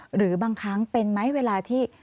หรือบางครั้งเป็นไหมเวลาที่